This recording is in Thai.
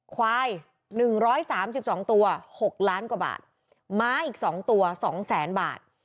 ควาย๑๓๒ตัว๖ล้านกว่าบาทม้าอีก๒ตัว๒แสนบาท